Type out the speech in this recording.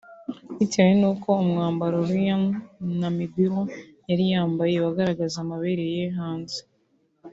bitewe nuko umwambaro Iryn Namubiru yari yambaye wagaragazaga amabere ye hanze